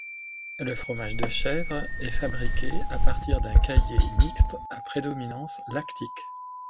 Le fromage de chèvre est fabriqué à partir d'un caillé mixte à prédominance lactique.